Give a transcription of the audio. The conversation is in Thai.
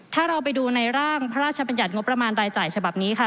ถ้าเราไปดูในร่างพระราชบัญญัติงบประมาณรายจ่ายฉบับนี้ค่ะ